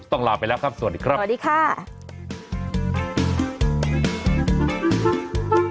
ต้องลาไปแล้วครับสวัสดีครับสวัสดีค่ะสวัสดีค่ะ